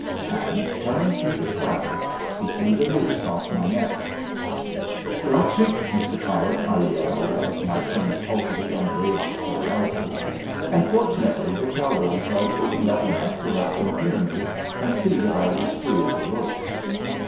And, coming through the crowd, he threw the noose off my neck. "Don't shoot, Mr. Cullen," I yelled, as my friends halted and raised their rifles, and, fortunately, the cowboys had opened up enough to let them hear me and see that I was free of the rope.